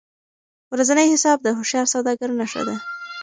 ورځنی حساب د هوښیار سوداګر نښه ده.